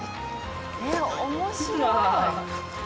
えっ面白い。